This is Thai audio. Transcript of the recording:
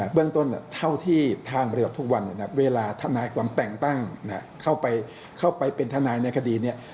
เบื้องต้นเท่าที่ทางปฏิบัติทุกวันเวลาทนายความแต่งตั้งเข้าไปเป็นทนายในคดีเนี่ย